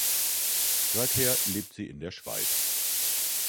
Seither lebt sie in der Schweiz.